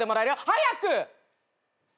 早く！